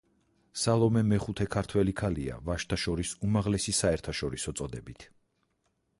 სალომე მეხუთე ქართველი ქალია ვაჟთა შორის უმაღლესი საერთაშორისო წოდებით.